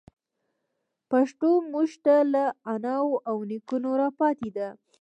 پښتو موږ ته له اناوو او نيکونو راپاتي ده.